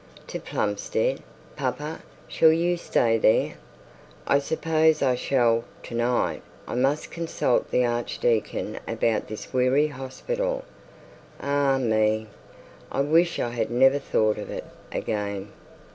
'To Plumstead, papa? Shall you stay there?' 'I suppose I shall tonight: I must consult the archdeacon about this weary hospital. Ah me! I wish I had never thought of it again.'